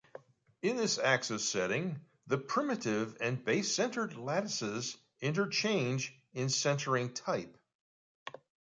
In this axis setting, the primitive and base-centered lattices interchange in centering type.